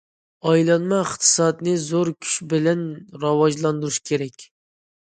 ئايلانما ئىقتىسادنى زور كۈچ بىلەن راۋاجلاندۇرۇش كېرەك.